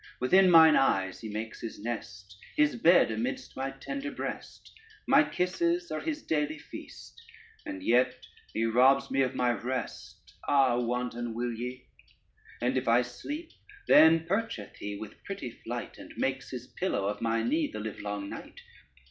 Within mine eyes he makes his nest, His bed amidst my tender breast; My kisses are his daily feast, And yet he robs me of my rest. Ah, wanton, will ye? And if I sleep, then percheth he With pretty flight, And makes his pillow of my knee The livelong night.